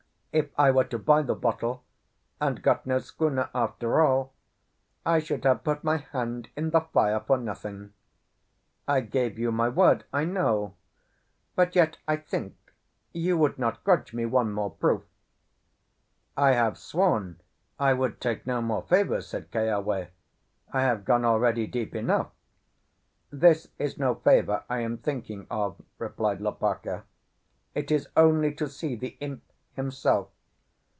If I were to buy the bottle, and got no schooner after all, I should have put my hand in the fire for nothing. I gave you my word, I know; but yet I think you would not grudge me one more proof." "I have sworn I would take no more favours," said Keawe. "I have gone already deep enough." "This is no favour I am thinking of," replied Lopaka. "It is only to see the imp himself.